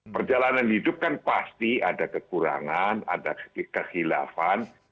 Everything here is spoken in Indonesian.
perjalanan hidup kan pasti ada kekurangan ada kehilafan